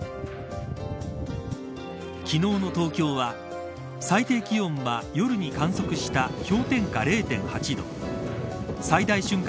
昨日の東京は最低気温は夜に観測した氷点下０．８度最大瞬間